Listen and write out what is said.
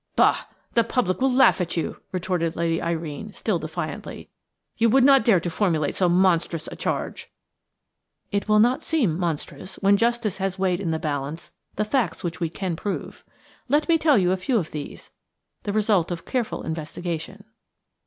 "Bah! the public will laugh at you!" retorted Lady Irene, still defiantly. "You would not dare to formulate so monstrous a charge!" "It will not seem monstrous when justice has weighed in the balance the facts which we can prove. Let me tell you a few of these, the result of careful investigation.